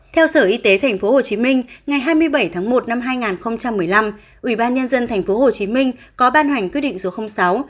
theo sở y tế tp hcm ngày hai mươi bảy tháng một năm hai nghìn một mươi năm ủy ban nhân dân tp hcm có ban hoành quyết định số sáu